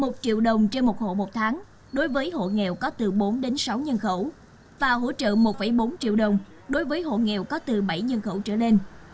một triệu đồng trên một hộ một tháng đối với hộ nghèo có từ bốn đến sáu nhân khẩu và hỗ trợ một bốn triệu đồng đối với hộ nghèo có từ bảy nhân khẩu trở lên